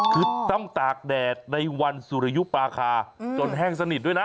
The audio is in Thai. คือต้องตากแดดในวันสุริยุปาคาจนแห้งสนิทด้วยนะ